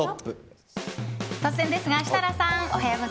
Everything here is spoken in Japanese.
突然ですが、設楽さん。